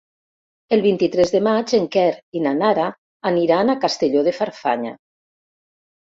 El vint-i-tres de maig en Quer i na Nara aniran a Castelló de Farfanya.